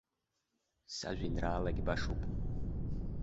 Сажәеинраалагь башоуп.